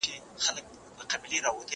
کېدای شي کار ستونزمن وي!؟